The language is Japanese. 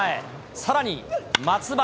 さらに、松原。